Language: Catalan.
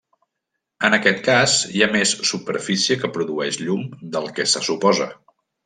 En aquest cas, hi ha més superfície que produeix llum del que se suposa.